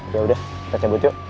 yaudah kita cabut yuk